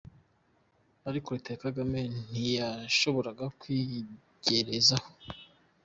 Ariko leta ya Kagame ntiyashoboraga kwigerezaho!